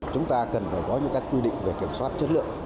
chúng ta cần phải có những các quy định về kiểm soát chất lượng